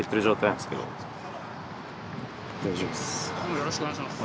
よろしくお願いします。